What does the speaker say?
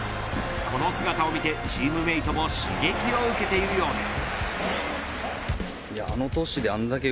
この姿を見てチームメートも刺激を受けているようです。